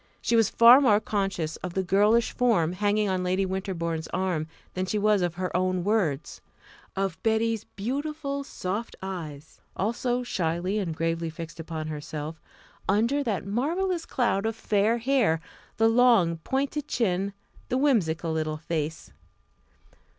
She was far more conscious of the girlish form hanging on Lady Winterbourne's arm than she was of her own words, of "Betty's" beautiful soft eyes also shyly and gravely fixed upon herself under that marvellous cloud of fair hair; the long, pointed chin; the whimsical little face.